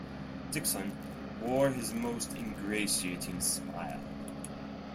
Dickson wore his most ingratiating smile.